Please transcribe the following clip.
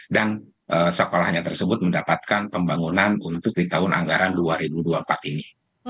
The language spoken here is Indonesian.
dan sekolahnya tersebut mendapatkan pembangunan untuk di tahun anggaran dua ribu dua puluh empat ini